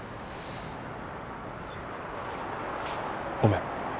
ごめん。